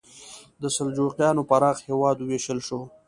د سلجوقیانو پراخ هېواد وویشل شو.